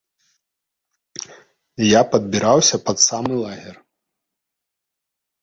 Я падбіраўся пад самы лагер.